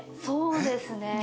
そうですね。